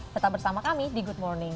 tetap bersama kami di good morning